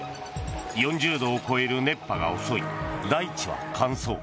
４０度を超える熱波が襲い大地は乾燥。